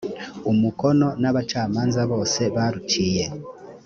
umukono n abacamanza bose baruciye